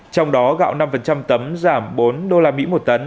trong đó gạo năm tấm giảm bốn usd một tấn